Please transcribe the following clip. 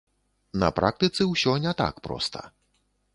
На практыцы ўсё не так проста.